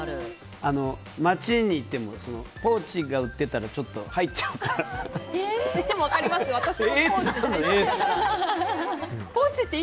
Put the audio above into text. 街に行ってもポーチが売ってたら入っちゃおうかなって。